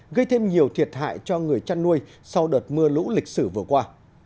gây thêm nhiều thiệt hại cho người chăn nuôi sau đợt mưa lũ lịch sử vừa qua